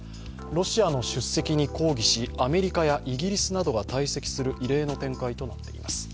ロシアの出席に抗議しアメリカやイギリスなどが退席する異例の展開となっています。